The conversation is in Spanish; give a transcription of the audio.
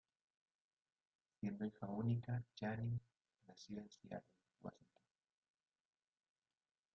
Siendo hija única, Channing nació en Seattle, Washington.